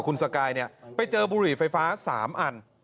กับคุณสกายนี่ไปเจอบุหรีไฟฟ้า๓อัน